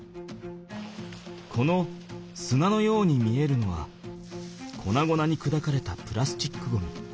この砂のように見えるのはこなごなにくだかれたプラスチックゴミ。